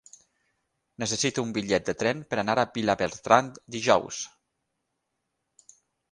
Necessito un bitllet de tren per anar a Vilabertran dijous.